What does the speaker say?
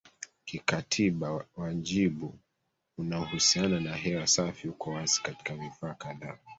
kikatiba Wajibu unaohusiana na hewa safi uko wazi katika vifaa kadhaa